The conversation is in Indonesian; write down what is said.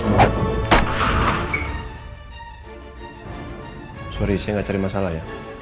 maaf saya tidak mencari masalah